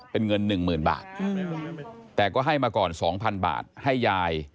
เป็นเงินหนึ่งหมื่นบาทแต่ก็ให้มาก่อน๒๐๐บาทให้ยาย